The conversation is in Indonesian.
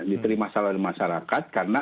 diterima salah dari masyarakat karena apa